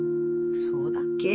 そうだっけ。